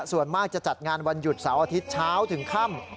ส่วนมากจะจัดงานวันหยุดเสาร์อาทิตย์เช้าถึงค่ำ